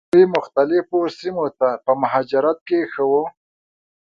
دوی مختلفو سیمو ته په مهاجرت کې ښه وو.